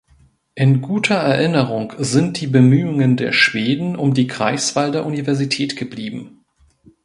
In guter Erinnerung sind die Bemühungen der Schweden um die Greifswalder Universität geblieben.